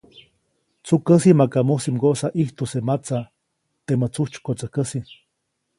‒Tsukäsi maka mujsi mgoʼsa ʼijtuse matsa, temä tsujtsykotsäjkäsi-.